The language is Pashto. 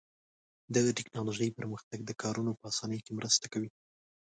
د تکنالوژۍ پرمختګ د کارونو په آسانۍ کې مرسته کوي.